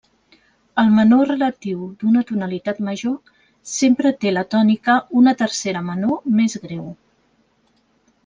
El menor relatiu d'una tonalitat major sempre té la tònica una tercera menor més greu.